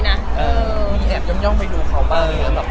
หุ่นย่อไม้ดูเขาบ้าง